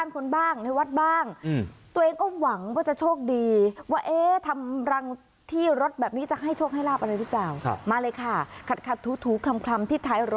ขัดถูคลี่นที่ท้ายรถ